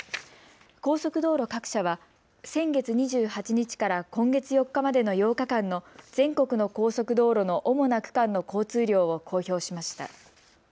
高速道路各社は先月２８日から今月４日までの８日間の全国の高速道路の主な区間の交通量を公表しました。